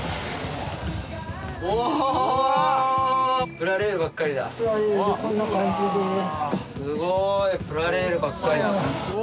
プラレールばっかりだプラレールこんな感じですごいプラレールばっかりだ